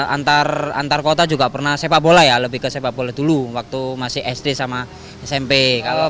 antar antar kota juga pernah sepak bola ya lebih ke sepak bola dulu waktu masih sd sama smp kalau